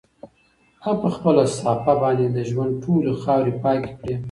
هغه په خپله صافه باندې د ژوند ټولې خاورې پاکې کړې.